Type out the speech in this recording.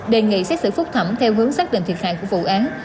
đề nghị xét xử phúc thẩm theo hướng xác định thiệt hại của vụ án